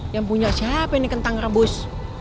yang punya siapa ini kentang rebus